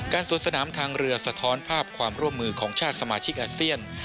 สวนสนามทางเรือสะท้อนภาพความร่วมมือของชาติสมาชิกอาเซียน